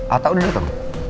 ata udah dateng